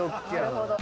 あなるほど。